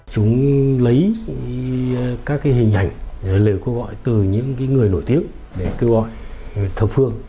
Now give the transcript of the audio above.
chúng lấy các hình ảnh lời cố gọi từ những người nổi tiếng để tư gọi thập phương